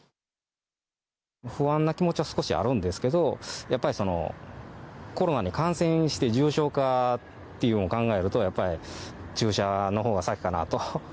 不安な気持ちは少しあるんですけどやっぱりコロナに感染して重症化というのを考えるとやっぱり注射のほうが先かなと。